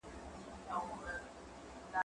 زه وخت نه نيسم؟